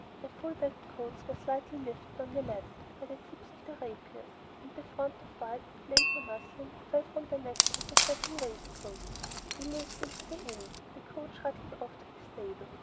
Their full backed coats were slightly lifted, on the left, by the tips of their rapiers, and a froth of white, lace or muslin, fell from their necks onto satin waistcoats. They moved into the inn; the coach rattled off to the stable.